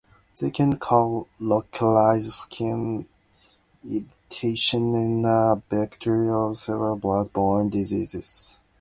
They can cause localized skin irritations and are vectors of several blood-borne diseases.